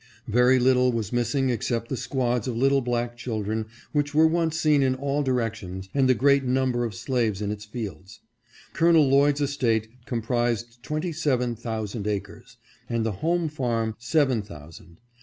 Very little was missing except the squads of little black children which were once seen in all direc tions, and the great number of slaves in its fields. Col. Lloyd's estate comprised twenty seven thousand acres, and the home farm seven thousand.